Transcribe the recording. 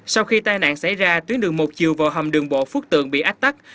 sau khi tai nạn xảy ra tuyến đường một chiều vào hầm đường bộ phước tượng bị ách tắc